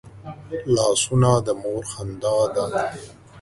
لاسونه د مور خندا ده